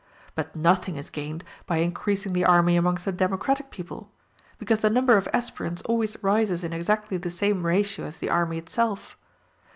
But nothing is gained by increasing the army amongst a democratic people, because the number of aspirants always rises in exactly the same ratio as the army itself.